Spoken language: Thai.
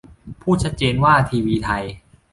พูดชัดเจน ว่าทีวีไทย